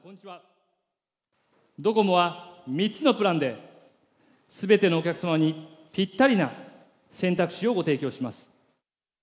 ドコモは３つのプランで、すべてのお客様にぴったりな選択肢をご提供します。